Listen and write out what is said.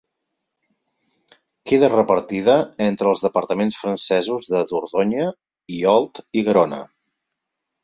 Queda repartida entre els departaments francesos de Dordonya i Olt i Garona.